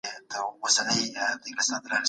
بندونه او سړکونه جوړیدل.